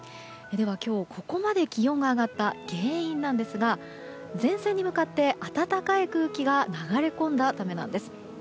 では、今日ここまで気温が上がった原因ですが前線に向かって暖かい空気が流れ込んだためなんです。